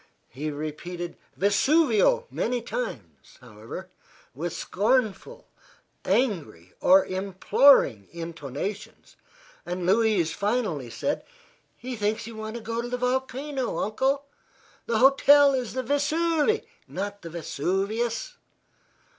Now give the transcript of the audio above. He repeated "Vesuvio" many times, however, with scornful, angry or imploring intonations, and Louise finally said: "He thinks you want to go to the volcano, Uncle. The hotel is the Vesuve, not the Vesuvius."